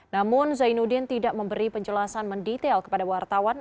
namun zainuddin tidak memberi penjelasan mendetail kepada wartawan